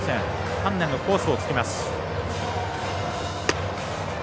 丹念にコースをつきます。